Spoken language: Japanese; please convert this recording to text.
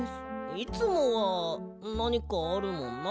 いつもはなにかあるもんな。